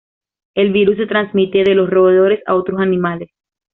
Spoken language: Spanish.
El virus se transmite de los roedores a otros animales.